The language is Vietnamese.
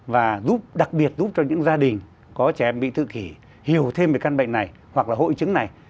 và giúp đặc biệt giúp cho những gia đình có trẻ em bị tự kỷ hiểu thêm về căn bệnh này hoặc là hội chứng này